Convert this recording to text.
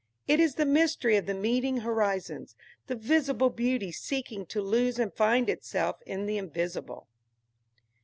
It is the mystery of the meeting horizons, the visible beauty seeking to lose and find itself in the Invisible.